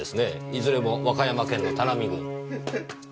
いずれも和歌山県の田波郡。